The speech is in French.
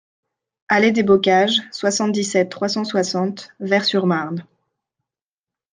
Allée des Bocages, soixante-dix-sept, trois cent soixante Vaires-sur-Marne